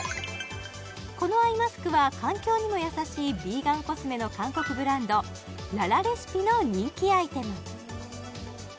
このアイマスクは環境にも優しいヴィーガンコスメの韓国ブランドＬＡＬＡＲＥＣＩＰＥの人気アイテムどう？